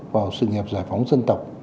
vào sự nghiệp giải phóng dân tộc